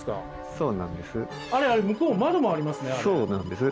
そうなんです。